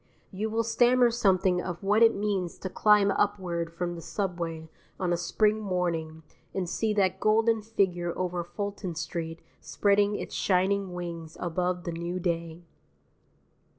You will stammer something of what it means to climb upward from the subway on a spring morning and see that golden figure over Fulton Street spreading its shining wings above the new day.